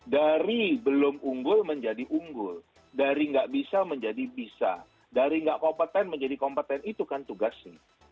dari belum unggul menjadi unggul dari nggak bisa menjadi bisa dari nggak kompeten menjadi kompeten itu kan tugasnya